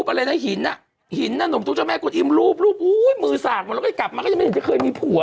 ฉันผูกไปกี่แล้วก็ยังไม่เห็นจะเคยมีผัว